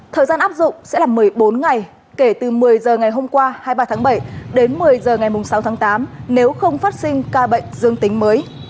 thời gian áp dụng sẽ là một mươi bốn ngày kể từ một mươi h ngày hôm qua hai mươi ba tháng bảy đến một mươi h ngày sáu tháng tám nếu không phát sinh ca bệnh dương tính mới